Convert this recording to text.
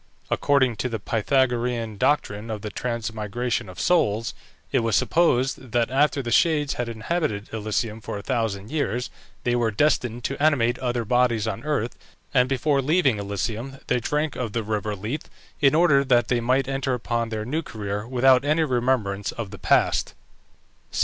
According to the Pythagorean doctrine of the transmigration of souls, it was supposed that after the shades had inhabited Elysium for a thousand years they were destined to animate other bodies on earth, and before leaving Elysium they drank of the river Lethe, in order that they might enter upon their new career without any remembrance of the past.